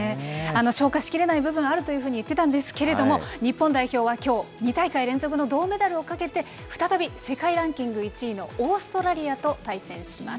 消化しきれない部分あるというふうに言ってたんですけれども、日本代表はきょう、２大会連続の銅メダルをかけて、再び世界ランキング１位のオーストラリアと対戦します。